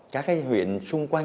các cái huyện xung quanh